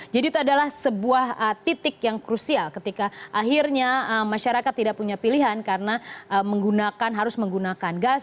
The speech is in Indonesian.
jadi itu adalah sebuah titik yang krusial ketika akhirnya masyarakat tidak punya pilihan karena harus menggunakan gas